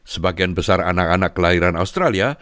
sebagian besar anak anak kelahiran australia